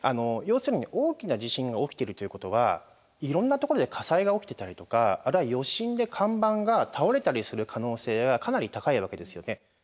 要するに大きな地震が起きてるということはいろんなところで火災が起きてたりとかあるいは余震で看板が倒れたりする可能性がかなり高いわけですよね。